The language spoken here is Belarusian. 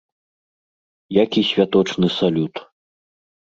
Як і святочны салют.